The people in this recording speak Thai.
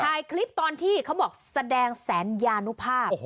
ถ่ายคลิปตอนที่เขาบอกแสดงแสนยานุภาพ